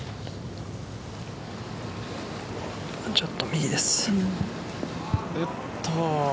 ちょっと右です。